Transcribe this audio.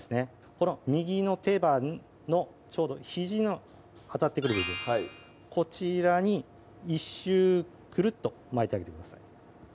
この右の手羽のちょうどひじの当たってくる部分こちらに１周クルッと巻いてあげてください